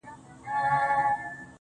او ګنې فتنې خو دې ځواني کوي